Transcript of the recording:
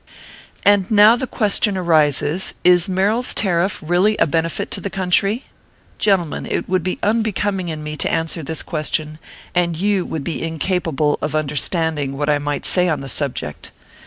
And now the question arises, is Merrill s tariff really a benefit to the country ? Gentlemen, it would be unbecoming in me to answer this question, and you would be incapable of understanding what I might say on the subject.